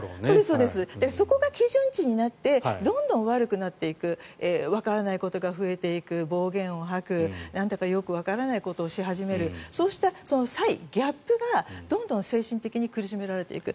そこが基準値になってどんどん悪くなっていくわからないことが増えていく暴言を吐くなんだかよくわからないことをし始めるそうした差異、ギャップがどんどん精神的に苦しめられていく。